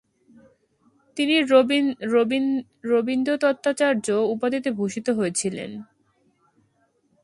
তিনি রবীন্দ্রতত্ত্বাচার্য উপাধিতে ভূষিত হয়েছিলেন।